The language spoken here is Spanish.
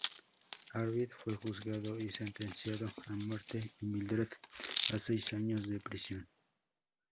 Arvid fue juzgado y sentenciado a muerte y Mildred a seis años de prisión.